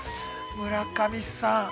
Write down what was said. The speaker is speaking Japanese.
村上さん。